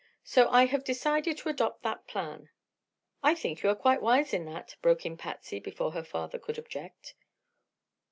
So I have decided to adopt that plan." "I think you are quite wise in that," broke in Patsy, before her father could object.